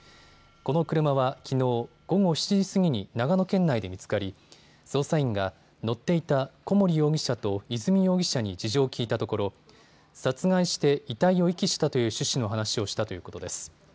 この車はきのう午後７時過ぎに長野県内で見つかり捜査員が乗っていた小森容疑者と和美容疑者に事情を聴いたところ、殺害して遺体を遺棄したという趣旨の話をしたということです。